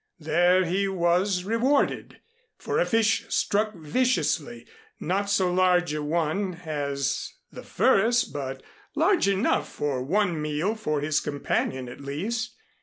There he was rewarded; for a fish struck viciously, not so large a one as the first, but large enough for one meal for his companion at least.